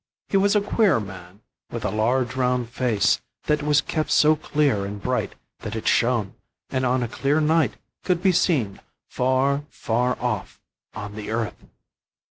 He was a queer man, with a large round face that was kept so clear and bright that it shone, and on a clear night could be seen far, far off on the earth.